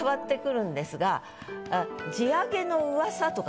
「地上げの噂」とか。